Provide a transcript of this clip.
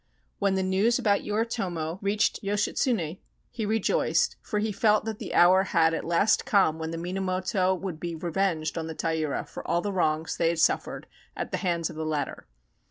When the news about Yoritomo reached 314 THE STORY OF YOSHITSUNE Yoshitsune, he rejoiced, for he felt that the hour had at last come when the Minamoto would be revenged on the Taira for all the wrongs they had suffered at the hands of the latter.